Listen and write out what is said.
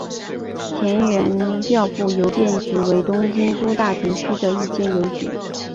田园调布邮便局为东京都大田区的一间邮局。